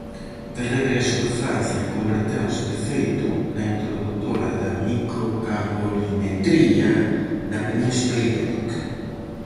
De regreso de Francia converteuse, de feito, na introdutora da microcalorimetría na Península Ibérica.